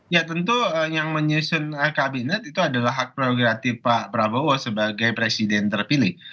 ya tentu yang menyusun kabinet itu adalah hak prerogatif pak prabowo sebagai presiden terpilih